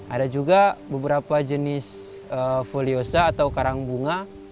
ada juga beberapa jenis foliosa atau karangbunga